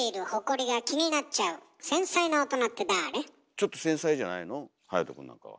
ちょっと繊細じゃないの隼くんなんかは。